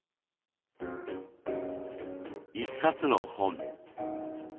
一冊の本。